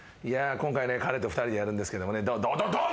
今回ね彼と２人でやるんですけどもね。どどうぞ！